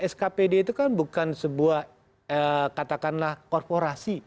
skpd itu kan bukan sebuah katakanlah korporasi